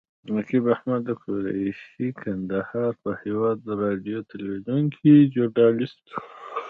نقیب احمد قریشي د کندهار په هیواد راډیو تلویزیون کې ژورنالیست و.